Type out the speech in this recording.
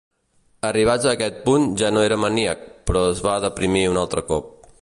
Arribats a aquest punt, ja no era maníac, però es va deprimir un altre cop.